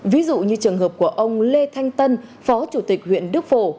ví dụ như trường hợp của ông lê thanh tân phó chủ tịch huyện đức phổ